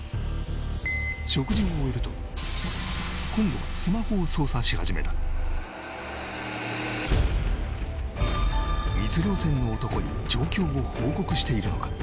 食事を終えると今度はスマホを操作し始めた密漁船の男に状況を報告しているのか？